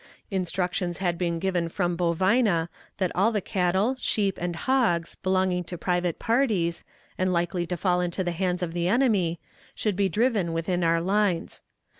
Instructions had been given from Bovina that all the cattle, sheep, and hogs, belonging to private parties, and likely to fall into the hands of the enemy, should be driven within our lines.